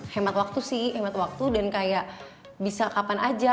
hemat waktu sih hemat waktu dan kayak bisa kapan aja